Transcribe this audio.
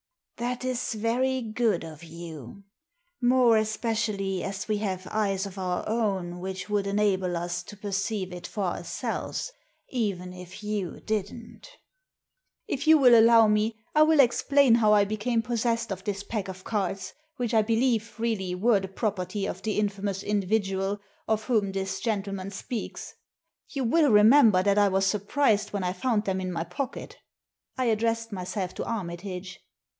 That is very good of you ; more especially as we have eyes of our own which would enable us to perceive it for ourselves even if you didn't" If you will allow me I will explain how I became possessed of this pack of cards, which I believe really were the property of the infamous individual of whom this gentleman speaks. You will remember that I was surprised when I found them in my pocket?" I addressed myself to Armitage.